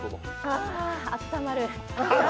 あ、あったまる。